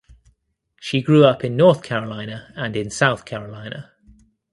She grew up in North Carolina and in South Carolina.